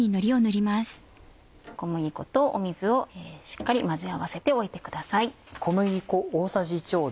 小麦粉と水をしっかり混ぜ合わせておいてください。